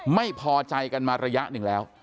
ไม่พอใจกันมาระยะหนึ่งแล้ว